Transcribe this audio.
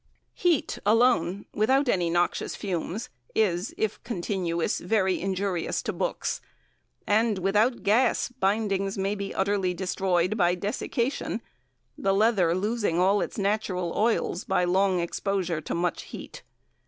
Heat alone, without any noxious fumes, is, if continuous, very injurious to books, and, without gas, bindings may be utterly destroyed by desiccation, the leather losing all its natural oils by long exposure to much heat.